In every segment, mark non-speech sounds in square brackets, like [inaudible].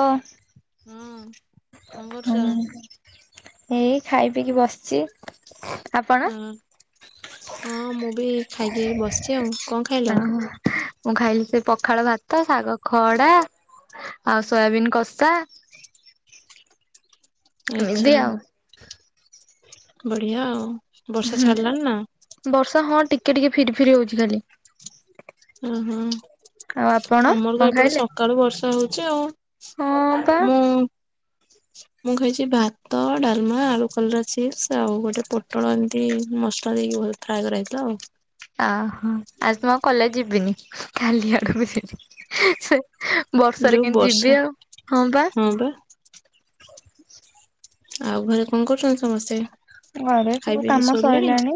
ଓ? ହଁ କଣ କରୁଛ? ହୁଁ। ଏଇ ଖାଇ ପିଇକି ବସିଛି। ଅ ଆପଣ? ହଁ, ମୁଁ ବି ଖାଇକି ଏଇ ବସିଛି ଆଉ। କଣ ଖାଇଲ? ମୁଁ ଖାଇଲି ସେ ପଖାଳ ଭାତ, ଶାଗ ଖଡା ଆଉ ସୋୟାବିନ୍ କଷା। ଆଚ୍ଛା, ଏମିତି ଆଉ ବଢିଆ ଆଉ। ବର୍ଷା ଛାଡିଲାଣି ନା? ବର୍ଷା ହଁ ଟିକେ ଟିକେ ଫିରି ଫିରି ହଉଛି ଖାଲି। ଓହୋଃ। ଆଉ ଆପଣ ଆମର ତ କଣ ଏପଟେ ଖାଇଲେ? ସକାଳୁ ବର୍ଷା ହଉଛି ଆଉ। ହଁ ପା। ମୁଁ [inaudible] ମୁଁ ଖାଇଛି ଭାତ, ଡାଲମା, ଆଳୁ କଲରା ଚିପ୍ସ ଆଉ ଗୋଟେ ପୋଟଳ ଏମିତି ମସଲା ଦେଇକି ଭ ଫ୍ରାଏ କରା ହେଇଥିଲା ଆଉ। ଓହୋଃ ଆଜି ତ ମୁଁ ଆଉ କଲେଜ ଯିବିନି। କାଲି ଆଡକୁ ଯିବି। ସେ ବର୍ଷାରେ ଯୋଉ କେମତି ବର୍ଷା ଯିବି ଆଉ? ହଁ ପା। ହଁ ପା। ଆଉ ଘରେ କଣ କରୁଛନ୍ତି ସମସ୍ତେ? ଘରେ ଖାଇ ସବୁ ପିଇକି କାମ ଶୋଇଲେଣି ସଇଲାଣି।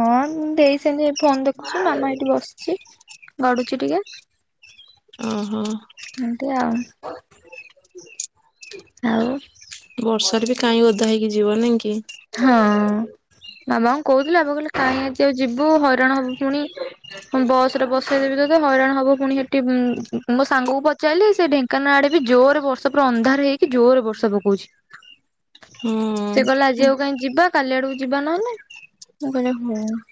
ହଁ ମୋ ଦେଇ ସେମିତି ଫୋନ ଦେଖୁଛି, ମାମା ଏଇଠି ବସିଛି ଗଡୁଛି ଟିକେ। ଓହୋଃ। ଏମତି ଆଉ। ଆଉ? ବର୍ଷାରେ ବି କାଇଁ ଓଦା ହେଇକି ଯିବ, ନାଇଁ କି? ହଁ, ବାବାଙ୍କୁ କହୁଥିଲି ଆମ କହିଲେ କାହିଁ ଆଜି ଆଉ ଯିବୁ ହଇରାଣ ହବୁ ପୁଣି ହଁ ବସ୍ ରେ ବସେଇଦେବି ତୋତେ ହଇରାଣ ହବ ପୁଣି ହେଠି, ମୋ ସାଙ୍ଗକୁ ପଚାରଲି ସେ ଢେ ଙ୍କାନାଳ ଆଡେ ବି ଜୋରେ ବର୍ଷା ପୁରା ଅନ୍ଧାର ହେଇକି ଜୋରେ ବର୍ଷା ପକଉଛି। ସେ ହୁଁ। କହିଲା ଆଜି ଆଉ କାହିଁ ଯିବା କାଲି ଆଡକୁ ଯିବା ନହେଲେ। ମୁଁ କହିଲି ହଉ।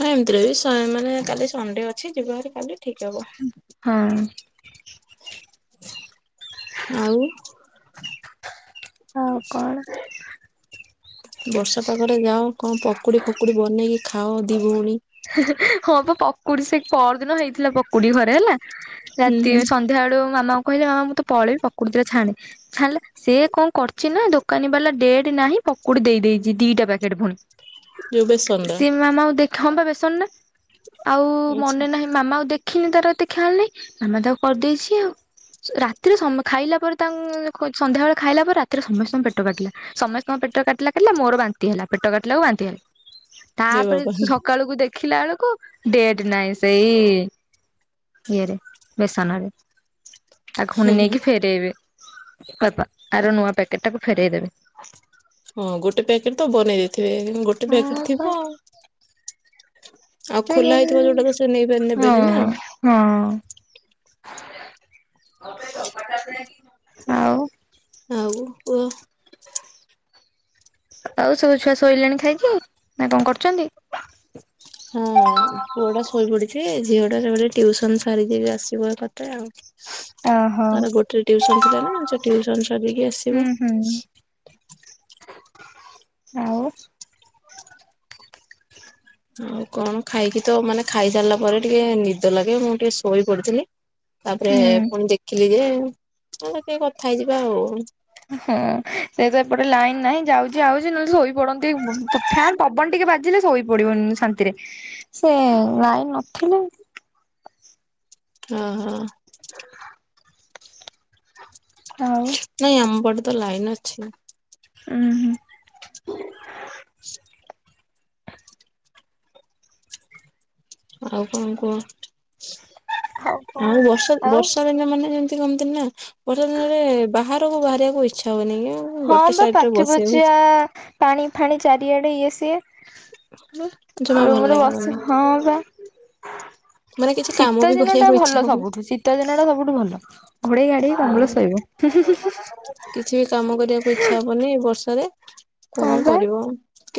ହଁ ଏମିତିରେ ବି ମାନେ କାଲି ସଣ୍ଡେ ଅଛି ଯିବା ଭାର କାଲି ଠିକ ହବ। ହଁ। ଆଉ? ଆଉ କଣ? ବର୍ଷା ପାଗରେ ଯାଅ, କଣ ପକୁଡ଼ି ଫକୁଡ଼ି ବନେଇକି ଖାଅ ଦି ଭଉଣୀ। ହଁ ପା ପକୁଡି, ସେ ପରଦିନ ହେଇଥିଲା ପକୁଡି ଘରେ ହେଲା। ହୁଁ ରାତି ହୁଁ। ସନ୍ଧ୍ୟା ବେଳକୁ ମାମାଙ୍କୁ କହିଲି ମାମା ମୁଁ ତ ପଳେଇବି ପକୁଡ ଦିଇଟା ଛାଣେ। ଛାଣିଲା। ସେ କଣ କରଛି ନା ଦୋକାନୀ ବାଲା ଡେଟ୍ ନାହିଁ ପକୁଡି ଦେଇ ଦେଇଛି ଦିଟା ପ୍ୟାକେଟ ପୁଣି। ଯୋଉ ବେସନରା ସିଏ ମୋ ମାମାକୁ ଦେଖା ହଁ ବା ବେସନ ଟା, ଆଉ ଆଚ୍ଛା ମନେ ନାହିଁ ମାମା ଆଉ ଦେଖିନି ତାର ଏତେ ଖିଆଲ୍ ନାହିଁ ମାମା ତାକୁ କରିଦେଇଛି ଆଉ। ରାତିରେ ଖାଇଲା ପରେ ତାଙ୍କୁ ସନ୍ଧ୍ୟାବେେଳେ ଖାଇଲା ପରେ ରାତିରେ ସମସ୍ତଙ୍କ ପେଟ କାଟିଲା। ସମସ୍ତଙ୍କ ପେଟ କାଟିଲା କାଟିଲା, ମୋର ବାନ୍ତି ହେଲା, ପେଟ କାଟିଲା କୁ ବାନ୍ତି ହେଲା। ହେ ତାପରେ ବାବା ହୁଁ ସକାଳକୁ ଦେଖିଲା ବେଳକୁ ଡେଟ୍ ନାହିଁ, ସେଇ ଇଏରେ ବେସନରେ। ତାକୁ ପୁଣି ହୁଁ ନେଇକି ଫେରେଇବେ, ପାପା ଆର ନୂଆ ପ୍ୟାକେଟ୍ ଟାକୁ ଫେରେଇ ଦେବେ। ହଁ ଗୋଟେ ପ୍ୟାକେଟ୍ ତ ବନେଇ ଦେଇଥିବେ, ଗୋଟେ ପ୍ୟାକେଟ୍ ହଁ ପା ଥିବ। ଆଉ ସେ ଖୋଲା ହେଇଥିବ ଯୋଉଟା ତ ସେ ନେଇବେ ହଁ ନେବେନି ନା। ହଁ, ଆଉ। ଆଉ କୁହ। ଆଉ ସବୁ ଛୁଆ ଶୋଇଲେଣି ଖାଇକି ନା କଣ କରୁଛନ୍ତି? ହଁ ପୁଅ ଟା ଶୋଇପଡିଛି, ଝିଅ ଟା ସେପଟେ ଟିଉସନ୍ ସାରିକି ଏବେ ଆସିବ [unintelligible] ଆଉ। ଓହୋ ତାର ଗୋଟେ ଟିଉସନ୍ ଥିଲା ନା ସେ ଟିଉସନ୍ ସାରିକି ହୁଁ ଆସିବ। ହୁଁ ଆଉ ଆଉ କଣ ଖାଇକି ତ ମାନେ ଖାଇ ସାରିଲା ପରେ ଟିକେ ନିଦ ଲାଗେ ମୁଁ ଟିକେ ଶୋଇ ପଡିଥିଲି, ତାପରେ ହୁଁ ପୁଣି ଦେ ଖିଲି ଯେ ତାଲ ଟିକେ କଥା ହେଇଯିବା ଆଉ। ହଁ ସେ ତ ଏପଟେ ଲାଇନ୍ ନାହିଁ, ଯାଉଚି ଆାଉଚି ନହେଲେ ଶୋଇ ପଡନ୍ତି ବୁ-ପ-ଫ୍ୟାନ୍ ପବନ ଟିକେ ବା ଥିଲେ ଶୋଇପଡିବନ ଶାନ୍ତିରେ, ସେ ଲାଇନ୍ ନଥିଲେ ହଁ, ହଁ। ଆଉ ନାଇଁ ଆମ ପଟେ ତ ଲାଇନ୍ ଅଛି। ଉଁ, ହୁଁ। ଆଉ କଣ କୁହ? ହଉ କଣ ଆଉ ବର୍ଷ ଆଉ ବର୍ଷା ଦିନ ମାନେ ଏମତି କହନ୍ତିନେ ନା। ବର୍ଷା ଦିନରେ ବାହାରକୁ ବାହାରିବାକୁ ଇଚ୍ଛା ହୁଏନି କି ଆଉ ହଁ ବା ପାଚ ପଚିଆ ପାଣି ଫାଣି ଚାରିଆଡେ ଇଏ ସିଏ। ଜମା ଭଲ ରୁମ୍ ରେ ଲାଗିବନି ବସି ହଁ ବା ମାନେ କିଛି କାମ ଶୀତ ବି ଦିନ ଟା କରିବାକୁ ଇଚ୍ଛା ଭଲ ହଉନି ସବୁଠୁ, ଶୀତ ଦିନ ଟା ସବୁଠୁ ଭଲ। ଘୋଡେଇ ଘାଡେଇ ହଁ କମ୍ବଳ ଶୋଇବ। କିଛି ବି କାମ କରିବାକୁ ଇଚ୍ଛା ହବନି ଏ ବର୍ଷାରେ କଣ ହଁ ବା କରିବ।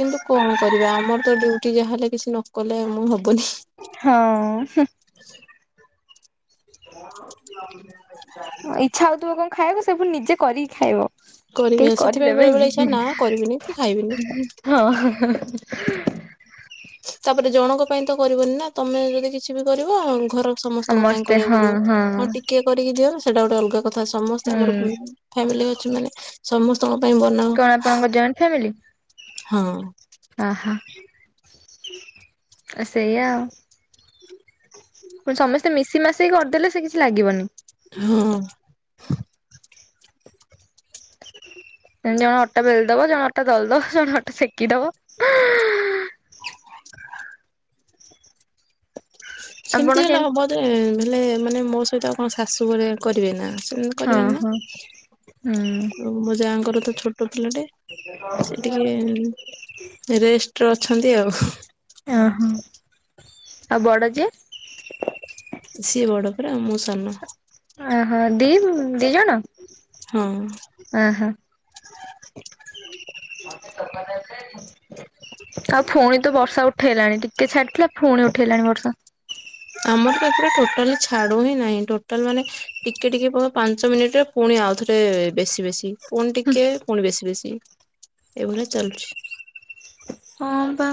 କିନ୍ତୁ କଣ କରିବା ଆମର ତ ଡ୍ୟୁଟି ଯାହା ହେଲେ କିଛି ନ କଲେ ମୁଁ ହବନି। ହଁ, ହୁଁ। ଇଚ୍ଛା ହଉଥୁବ କଣ ଖାଇବାକୁ ସେ ପୁଣେ ନିଜେ କରିକି ଖାଇବ। କରିବି କେହି ସେଥିପାଇଁ ବେଳେ ବେଳେ ଇଚ୍ଛା କରିଦେବେନି, ନା କରିବିନି କି ଖାଇବିନି ହଁ। ତାପରେ ଜଣଙ୍କ ପାଇଁ ତ କରିବନି ନା, ତୋମେ ଯଦି କିଛି ବି କରିବ ଘର ସମସ୍ତଙ୍କ ପାଇଁ ସମସ୍ତେ କରିବାକୁ ହଁ ପଡିବ, ହଁ ଟିକେ କରିକି ଦିଅ, ସେଟା ଗୋଟେ ଅଲଗା କଥା। ସମସ୍ତେ ଆମର ହୁଁ ଉଁ, ଫ୍ୟାମିଲି ଅଛି ମାନେ ସମସ୍ତଙ୍କ ପାଇଁ ବନ କଣ ଆପଣଙ୍କ ଜଏଣ୍ଟ ଫ୍ୟାମିଲି? ହଁ। ଓହୋ, ଓ ସେଇୟା। [unintelligible] ସମସ୍ତେ ମିଶି ମାସିକି କରିଦେଲେ ସେ କିଛି ଲାଗିବନି। ହଁ। ଜଣେ ଅଟା ବେଲି ଦବ, ଜଣେ ଅଟା ଦଳ ଦବ, ଜଣେ ଅଟା ସେକି ଦବ। ଆପଣ ସେମିତି ହେଲେ କେମତି ହବ ଯେ, ହେଲେ ମାନେ ମୋ ସହିତ ଆଉ କଣ ଶାଶୁ ଘରେ କରିବେ ନା। ହଁ, ହଁ। ହୁଁ ଆଉ ମୋ ଯାଙ୍କର ତ ଛୋଟ ପିଲାଟେ। ସେ ଟିକିଏ ରେଷ୍ଟ ରେ ଅଛନ୍ତି ଆଉ। ଓ ହଁ, ଆଉ ବଡ ଯେ? ସିଏ ବଡ ପରା ଆଉ ମୁଁ ସାନ। ଓହୋ ଦି ଦି ଜଣ। ହଁ। ଓହୋ। ଆଉ ପୁଣି ତ ବର୍ଷା ଉଠେଇଲାଣି। ଟିକେ ଛାଡିଥିଲା ପୁଣି ଉଠେଇଲାଣି ବର୍ଷା। ଆମର ତ ଏପଟେ ଟୋଟାଲି ଛାଡୁ ହିଁ ନାହିଁ। ଟୋଟାଲ ମାନେ ଟିକେ ଟିକେ କମ୍ ପାଞ୍ଚ ମିନିଟରେ ପୁଣି ଆଉ ଥରେ ବେଶୀ ବେଶୀ। ପୁଣି ଟିକେ ପୁଣି ବେଶୀ ବେଶୀ ଏଇଭଳିଆ ଚାଲୁଛି। ହଁ ବା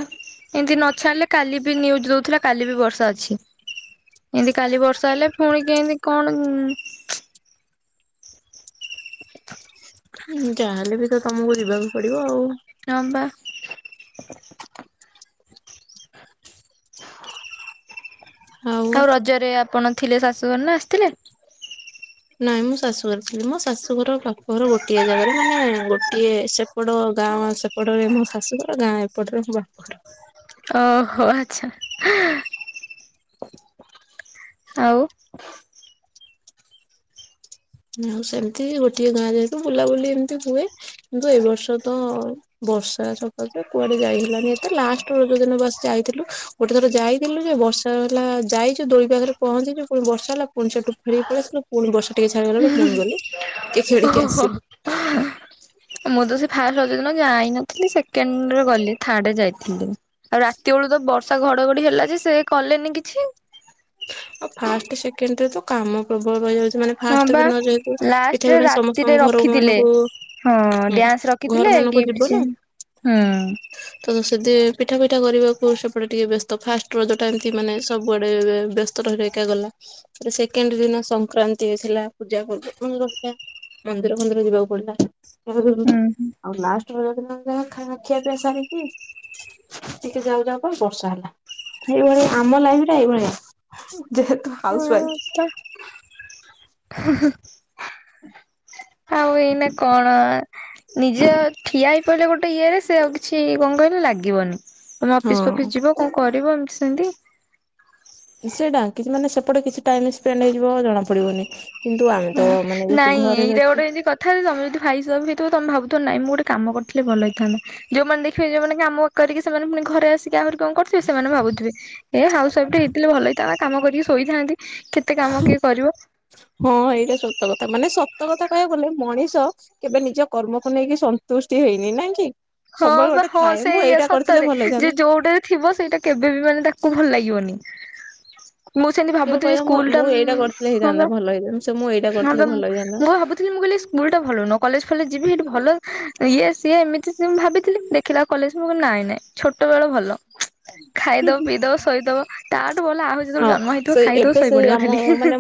ଏମତି ନ ଛାଡିଲେ କାଲି ବି ନିୟୁଜ ଦଉଥିଲା କାଲି ବି ବର୍ଷା ଅଛି। ଏମିତି କାଲି ବର୍ଷା ହେଲେ ପୁଣି କେମିତି କଣ ହୁଁ, ଯାହେଲେ ବି ସେ ତମକୁ ଯିବାକୁ ପଡିବ ଆଉ। ହ ବା। [unintelligible] ଆଉ ରଜରେ ଆପଣ ଥିଲେ ଶାଶୁଘର ନା ଆସିଥିଲେ? ନାଇଁ ମୁଁ ଶାଶୁଘରେ ଥିଲି। ମୋ ଶାଶୁଘର ବାପଘର ଗୋଟିଏ ଜାଗାରେ ମାନେ ଗୋଟିଏ ସେ ଏପଟ ଗାଁ ସେପଟରେ ମୋ ଶାଶୁଘର ଗାଁ ଏପଟରେ ମୋ ବାପଘର। ଓହୋ, ଆଚ୍ଛା। ଆଉ। ଆଉ ସେମିତି ଗୋଟିଏ ଗାଁରେ ଯେହେତୁ ବୁଲାବୁଲି ଏମିତି ହୁଏ। କିନ୍ତୁ ଏ ବର୍ଷ ତ ବର୍ଷା ଚକରରେ କୁଆଡେ ଯାଇଲାନି ଏତେ ଲାଷ୍ଟ ରଜ ଦିନ ବାସ ଯାଇଥିଲୁ। ଗୋଟେ ଥର ଯାଇଥିଲୁ ଯେ, ବର୍ଷା ହେଲା ଯାଇଛୁ, ଦୋଳି ପାଖରେ ପହଞ୍ଚିଛୁ, ପୁଣି ବର୍ଷା ହେଲା, ପୁଣି ସେଠୁ ଫେରି ଫେରିଆସିଲୁ, ପୁଣି ବର୍ଷା ଟିକେ ଛାଡ଼ିଗଲାରୁ ପୁଣି ଗଲୁ, ଟିକେ ଖେଳିକି ଓହୋ ଆସିଲୁ। ମୁଁ ତ ସେ ଫାଷ୍ଟ ରଜ ଦିନ ଯାଇନଥିଲି। ସେକେଣ୍ଡରେ ଗଲି, ଥାର୍ଡରେ ଯାଇଥିଲି। ଆଉ ରାତି ବେଳୁ ତ ବର୍ଷା ଘଡଘଡି ହେଲାଯେ, ସେ କଲେନି କିଛି। ଆଉ ଫାଷ୍ଟ ସେକେଣ୍ଡ ରେ ତ କାମ ପ୍ରବଳ ରଇଯାଉଛି ମାନେ ହଁ ଫାଷ୍ଟ ବା ଦିନ ଯେହେତୁ ପିଠା ଲାଷ୍ଟରେ ପଣା ସମସ୍ତଙ୍କ ରାତିରେ ଘର ରଖିଥିଲେ। ମାନଙ୍କୁ ହଁ ହୁଁ ଡ୍ୟାନ୍ସ ଘର ରଖିଥିଲେ ମାନଙ୍କୁ ଯିବ ଗିଫ୍ଟ ନା ସେ ଓମ ହୁଁ। ତ ସେଦି ପିଠା ପିଠା କରିବାକୁ ସେପଟେ ଟିକେ ବ୍ୟସ୍ତ। ଫାଷ୍ଟ ରଜ ଟା ଏମିତି ମାନେ ସବୁଆଡେ ବ୍ୟସ୍ତ। ରହି ରହିକା ଗଲା ସେକେଣ୍ଡ ଦିନ ସଂକ୍ରାନ୍ତି ଥିଲା ପୂଜା ପର୍ବ ରହିଲା। ମନ୍ଦିର ମନ୍ଦିର ଯିବାକୁ ପଡିଲା। ହୁଁ ଆଉ ଲାଷ୍ଟ [inaudible] ଯା ଖା ଖିଆ ପିଆ ସାରିକି ଟିକେ ଯାଉ ଯାଉ ପରେ ବର୍ଷା ହେଲା ଏଇଭଳିଆ ଆମ ଲାଇଫରେ ଏଇଭଳିଆ। ଯେହେତୁ ହାଉସ ୱାଇଫ। ହଁ ପା ହୁଁ ହୁଁ। ଆଉ ଏଇନା କଣ ନିଜ ଠିଆ ହେଇ କହିଲେ ଗୋଟେ ଇଏ ରେ ସେ ଆଉ କିଛି କଣ କହିଲେ ଲାଗିବନି ତମେ ଅଫିସ ହଁ ଫଫିସ ଯିବ। କଣ କରିବ ଏମିତି ସେମିତି। ସେ ଡାକିଚି ମାନେ ସେପଟେ କିଛି ଟାଇମ ସ୍ପେଣ୍ଡ ହେଇଯିବ ଜଣା ପଡିବନି। କିନ୍ତୁ ଆମେ ତ ମାନେ ଯେହେତୁ ଘରେ ରହିଛୁ। ତଥାପି ତମେ ଫାଇସପ୍ ହୋଇଥିବ ତମେ ଭାବୁଥିବ ନାଇ ମୁଁ ଗୋଟେ କାମ କରିଥିଲେ ଭଲ ହେଇଥାନ୍ତା। ଯୋଉମାନେ ଦେଖିବେ ଯୋଉମାନେ କାମ କରିକି ସେମାନେ ପୁଣି ଘରେ ଆସିକି ଆହୁରି କଣ କରୁଥିବେ ସେମାନେ ଭାବୁଥିବେ ଏ ହାଉସ ୱାଇଫ ଟେ ହେଇଥିଲେ ଭଲ ହେଇଥାନ୍ତା କାମ କରିକି ଶୋଇଥାନ୍ତି କେ କେତେ କାମ କିଏ କରିବ। ହଁ ଏଇଟା ସତ କଥା। ମାନେ ସତ କଥା କହିବାକୁ ଗଲେ ମଣିଷ କେବେ ନିଜ କର୍ମକୁ ନେଇକି ସନ୍ତୁଷ୍ଟି ହେଇନି ନାଇଁ କି। ହଁ ସବୁବେଳେ ବା ଗୋଟେ ହଁ ଥାଏ ମୁଁ ସେଇଆ ଏଇଟା କରିଥିଲେ ସତରେ, ଭଲ ଯେ ହେଇଥାନ୍ତା। ଯୋଉଟେ ଥିବ ସେଇଟା କେବେ ବି ମାନେ ତାକୁ ଭଲ ଲାଗିବନି। ମୁଁ ସେମିତି କେବେ ଭାବୁଥିଲି କହିବ ମୁଁ ସ୍କୁଲ୍ ଟା ମୁଁ ଏଇଟା କରିଥିଲେ ହଁ ପା। [unintelligible] ହଁ ପା ଭଲ ହେଇଥାନ୍ତା। ମୁଁ ଭାବୁଥିଲି ମୁଁ କହିଲି ସ୍କୁଲଟା ଭଲ ନୁହଁ, କଲେଜ୍ ଫଲେଜ୍ ଯିବି ହେଠି ଭଲ ଇଏ ସିଏ ଏମିତି ମୁଁ ଭାବିଥିଲି, ଦେଖିଲା କଲେଜ୍ ମୁଁ କହିନି ନାଇଁ ନାଇଁ ଛୋଟବେଳ ଭଲ। ଖାଇଦେବ, ପିଇଦବ, ଶୋଇଦବ ତାଠୁ ଭଲ ଆହୁରି ହଁ ଯେତେବେଳେ ଜନ୍ମ ହେଇଥିବ ସେ ଖାଇଥିବ ଶୋଇପଡିବ ଖାଲି।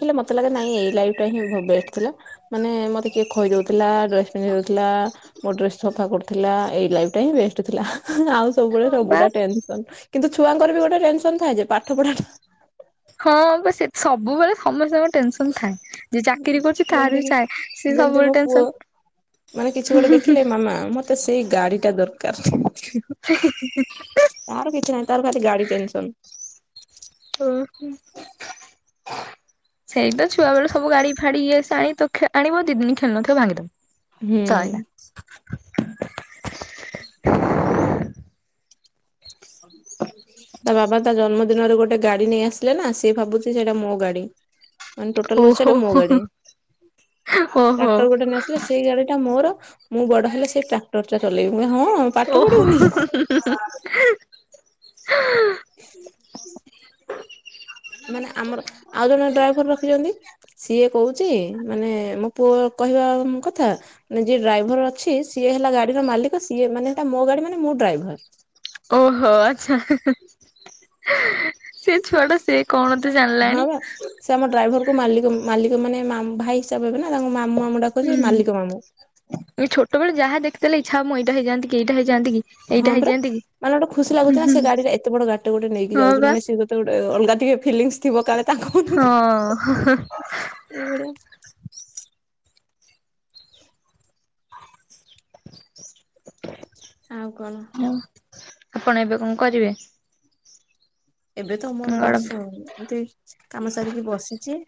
ହେଲେ ମତେ ଲାଗେ ନାଇଁ ଏଇ ଲାଇଫ୍ ଟା ହିଁ ବେଷ୍ଟ ଥିଲା। ମାନେ ମତେ କିଏ ଖୋଇ ଦଉଥିଲା ଡ୍ରେସ୍ ପିନ୍ଧେଇଦଉଥିଲା, ମୋ ଡ୍ରେସ୍ ସଫା କରୁଥିଲା ଏଇ ଲାଇଫ୍ ଟା ହିଁ ବେଷ୍ଟ ଥିଲା। ଆଉ ସବୁବେଳେ ହଁ ସବୁ ବା ଟା ଟେନସନ୍। କିନ୍ତୁ ଛୁଆଙ୍କର ବି ଗୋଟେ ଟେନସନ୍ ଥାଏ ଯେ ପାଠ ପଢା ହଁ ବା ସେ ସବୁବେଳେ ସମସ୍ତଙ୍କର ଟେନସନ୍ ଥାଏ। ଯିଏ ଚାକିରି କରୁଚି ଯେମିତି ତାର ବି କିି ଥାଏ। ସିଏ ଯେମିତି ମୋ ସବୁବେଳେ ପୁଅ ଟେନସନ୍। ମାନେ କିଛି ଗୋଟେ ଦେଖିଲେ ମାମା ମତେ ସେଇ ଗାଡି ଟା ଦରକାର। ତାର କିଛି ନାହିଁ, ତାର ଖାଲି ଗାଡି ଟେନସନ୍। ଉଁ ହୁଁ। ସେଇ ତ ଛୁଆବେଳୁ ସବୁ ଗାଡି ଫାଡି ଇଏ ସେ ଆଣି ତ ଆଣିବ ଦି ଦିନ ଖେଳି ନଥିବ ହୁଁ। ଭାଙ୍ଗିଦବ। ସଇଲା। ତା ବାବା ତା ଜନ୍ମଦିନରେ ଗୋଟେ ଗାଡି ନେଇ ଆସିଲେ ନା ସିଏ ଭାବୁଚି ସେଇଟା ମୋ ଗାଡି। ମାନେ ଟୋଟାଲ୍ କହୁଚି ଓହୋ ସେଟା ମୋ ଗାଡି। ଓହୋ ଟ୍ରାକ୍ଟର ଗୋଟେ ନେଇ ଆସିଲେ, ସେଇ ଗାଡି ଟା ମୋର ମୁଁ ବଡ ହେଲେ ସେଇ ଟ୍ରାକ୍ଟର ଟା ଚଲେଇବି। ମୁଁ କହିଲି ହଁ ପାଠ ପଢିବୁନି। ହୁଁ ହୁଁ। ମାନେ ଆମର ଆଉ ଜଣେ ଡ୍ରାଇଭର ରଖିଛନ୍ତି। ସିଏ କହୁଚି ମାନେ ମୋ ପୁଅ କହିବା କଥା ମାନେ ଯିଏ ଡ୍ରାଇଭର ଅଛି, ସିଏ ହେଲା ଗାଡିର ମାଲିକ। ସିଏ ମାନେ ହେଟା ମୋ ଗାଡି ମାନେ ମୁଁ ଡ୍ରାଇଭର। ଓହୋ ଆଚ୍ଛା। ସିଏ ଛୁଆଟା ସେ କଣ ବୋଧେ ହଁ ଜାଣିଲାଣି। ବା ସେ ଆମ ଡ୍ରାଇଭରକୁ ମାଲିକ ମାଲିକ ମାନେ ମାମ୍ ଭାଇ ହିସାବ ହେବେ ନା ତାଙ୍କୁ ମାମୁଁ ମାମୁଁ ଡାକୁ ହୁଁ। ଛୋଟବେଳେ ଯାହା ଦେଖିଥିଲେ ଇଚ୍ଛା ମୁଁ ଏଇଟା ହେଇଯାନ୍ତି କି ଏଇଟା ହେଇଯାନ୍ତି କି। ଏଇଟା ହଁ ପରା। ହେଇଯାଆନ୍ତି କି। ମାନେ ଗୋଟେ ଖୁସି ଲାଗୁଚି ନା ସେ ଗାଡିଟା ଏତେ ବଡ ଗୋଟେ ନେଇକି ହଁ ଯାଉଚି ବା ମାନେ ସେ ତ ଗୋଟେ ଅଲଗା ଟିକେ ଫିଲିଙ୍କସ୍ ଥିବ କାଳେ ତାଙ୍କ ମନରେ। ହଁ। ଏଇଭଳିଆ। [inaudible] ଆଉ କଣ? ଆଉ ଆପଣ ଏବେ କଣ କରିବେ? ଏବେ ତ ମୋର କଣ ବାସ ଏମତି କାମ ସାରିକି ବସିଚି।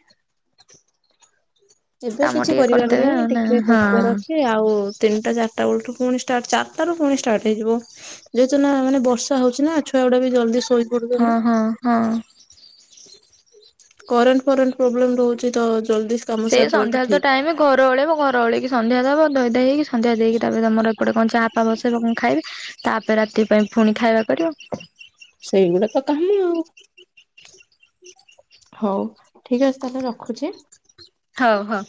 ଏବେ କାମ କିଛି ଟିକେ କରିବାର କରିଦେବେ ନାହିଁ, ଆଉ ନା ଟିକେ ହଁ। ବସିବାର ଅଛି। ଆଉ ତିନିଟା ଚାରିଟା ବେଳୁଠୁ ପୁଣି ଷ୍ଟାର୍ଟ, ଚାରଟା ରୁ ପୁଣି ଷ୍ଟାର୍ଟ ହେଇଯିବ। ଯେହେତୁ ନା ମାନେ ବର୍ଷା ହଉଚି ନା ଛୁଆ ଗୁଡା ବି ଜଲଦି ସ୍କୁ ହଁ ହଁ ହଁ। କରେଣ୍ଟ ଫରେଣ୍ଟ ପ୍ରୋବ୍ଲେମ୍ ରହୁଚି ତ ଜଲଦି ସେଇ ସନ୍ଧ୍ୟାବେଳ ତ ଟାଇମି ଘର ଓଳେଇବ ଘର ଓଳେଇକି ସନ୍ଧ୍ୟା ଦବ ଧୋଇ ଧାଇ ହେଇକି। ସନ୍ଧ୍ୟା ଦେଇକି ତାପରେ ତମର ଏପଟେ କଣ ଚାହା ଫା ବସେଇବ କଣ ଖାଇବି? ତା ପରେ ରାତି ପାଇଁ ପୁଣି ଖାଇବା କରିବ। ସେଇଗୁଡା ତ କାମ ଆଉ। [inaudible] ହଉ, ଠିକ୍ ଅଛି ତାହେଲେ ରଖୁଛି? ହଉ ହଉ।